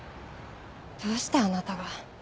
どうしてあなたが。